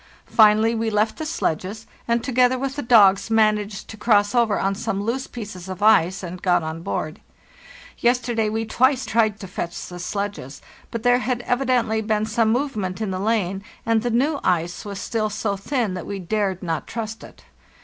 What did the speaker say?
Finally we left the sledges and, together with the dogs, managed to cross over on some loose pieces of ice and got on board. Yesterday we twice tried to fetch the sledges, but there had evidently been some movement in the lane, and the new ice was still so thin that we dared not trust it.